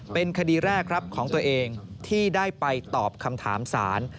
เป็นคดีแรกครับของตัวเองที่ได้ไปตอบคำถามสาร